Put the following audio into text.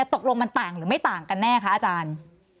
ตกลงมันต่างหรือไม่ต่างกันแน่คะอาจารย์